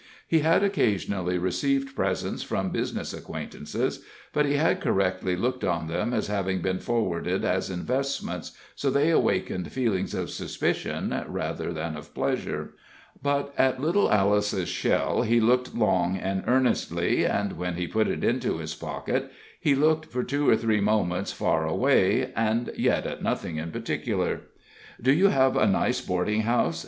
He had occasionally received presents from business acquaintances, but he had correctly looked at them as having been forwarded as investments, so they awakened feelings of suspicion rather than of pleasure. But at little Alice's shell he looked long and earnestly, and when he put it into his pocket he looked for two or three moments far away, and yet at nothing in particular. "Do you have a nice boarding house?"